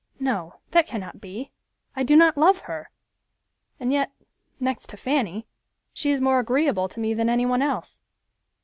No, that cannot be. I do not love her; and yet, next to Fanny, she is more agreeable to me than any one else."